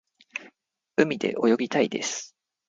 海で泳ぎたいです。